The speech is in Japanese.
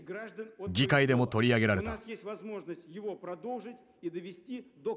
議会でも取り上げられた。